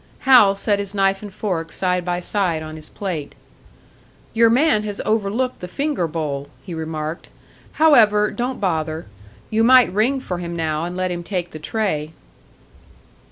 Hal set his knife and fork side by side on his plate. "Your man has overlooked the finger bowl," he remarked. "However, don't bother. You might ring for him now, and let him take the tray."